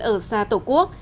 ở xa tổ quốc